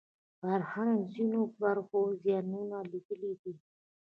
فرهنګ ځینو برخو زیانونه لیدلي دي